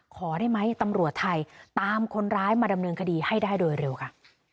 ขอได้ไหมตำรวจไทยตามคนร้ายมาดำเนินคดีให้ได้โดยเร็วค่ะ